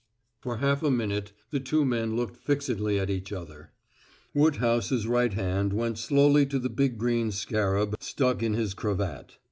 For half a minute the two men looked fixedly at each other. Woodhouse's right hand went slowly to the big green scarab stuck in his cravat.